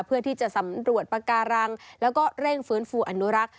เพื่อที่จะสำรวจปากการังแล้วก็เร่งฟื้นฟูอนุรักษ์